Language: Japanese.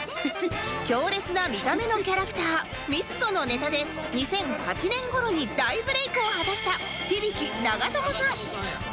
強烈な見た目のキャラクターミツコのネタで２００８年頃に大ブレイクを果たした響長友さん